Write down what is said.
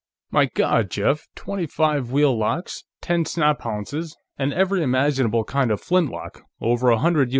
"My God, Jeff! Twenty five wheel locks! Ten snaphaunces. And every imaginable kind of flintlock over a hundred U.